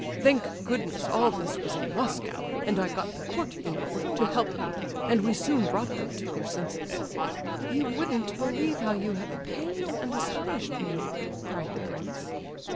Thank goodness all this was in Moscow, and I got the Court, you know, to help me, and we soon brought them to their senses." "You wouldn't believe how you have pained and astonished me," cried the prince.